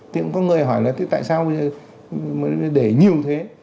thì cũng có người hỏi là tại sao mới để nhiều thế